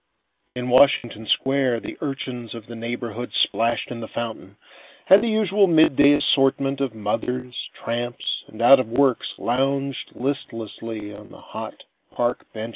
In Washington Square, the urchins of the neighborhood splashed in the fountain, and the usual midday assortment of mothers, tramps and out of works lounged listlessly on the hot park benches.